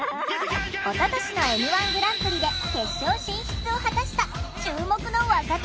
おととしのＭ−１グランプリで決勝進出を果たした注目の若手芸人だ！